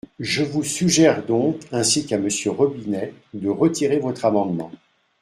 Je vous suggère donc, ainsi qu’à Monsieur Robinet, de retirer votre amendement.